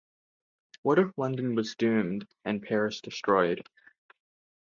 What if London is doomed and Paris destroyed?